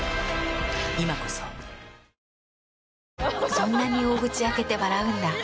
そんなに大口開けて笑うんだ。